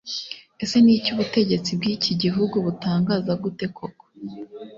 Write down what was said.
Ese ni iki ubutegetsi bw'iki gihugu butangaza gute koko